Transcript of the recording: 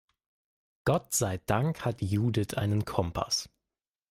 Gott sei Dank hat Judith einen Kompass.